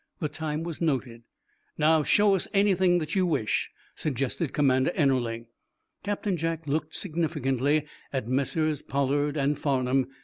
The time was noted. "Now, show us anything that you wish," suggested Commander Ennerling. Captain Jack looked significantly at Messrs. Pollard and Farnum.